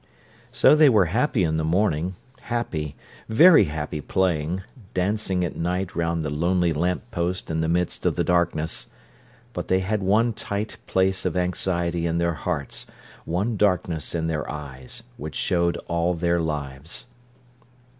So they were happy in the morning—happy, very happy playing, dancing at night round the lonely lamp post in the midst of the darkness. But they had one tight place of anxiety in their hearts, one darkness in their eyes, which showed all their lives.